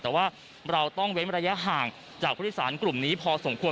แต่ว่าเราต้องเว้นระยะห่างจากผู้โดยสารกลุ่มนี้พอสมควร